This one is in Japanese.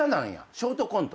ショートコント。